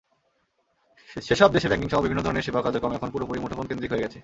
সেসব দেশে ব্যাংকিংসহ বিভিন্ন ধরনের সেবা কার্যক্রম এখন পুরোপুরি মুঠোফোনকেন্দ্রিক হয়ে গেছে।